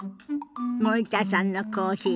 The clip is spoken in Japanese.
森田さんのコーヒー